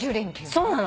そうなの。